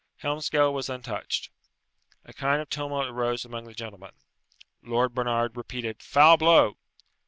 Helmsgail was untouched. A kind of tumult arose amongst the gentlemen. Lord Barnard repeated, "Foul blow."